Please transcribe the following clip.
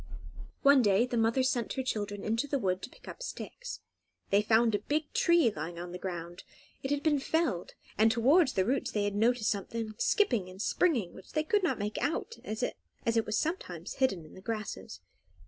One day the mother sent her children into the wood to pick up sticks. They found a big tree lying on the ground. It had been felled, and towards the roots they noticed something skipping and springing, which they could not make out, as it was sometimes hidden in the grasses.